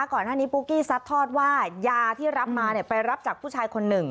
ก่อนหน้านี้ปุ๊กกี้ซัดทอดว่ายาที่รับมาไปรับจากผู้ชายคนหนึ่ง